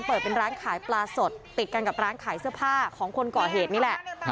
เปิดเป็นร้านขายปลาสดติดกันกับร้านขายเสื้อผ้าของคนก่อเหตุนี่แหละ